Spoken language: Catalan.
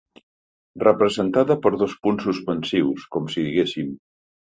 Representada per dos punts suspensius, com si diguéssim.